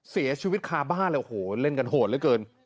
เสียชีวิตคาบ้านเลยโอ้โหเล่นกันโหดเหลือเกิน